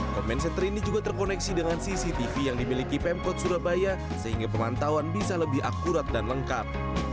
comment center ini juga terkoneksi dengan cctv yang dimiliki pemkot surabaya sehingga pemantauan bisa lebih akurat dan lengkap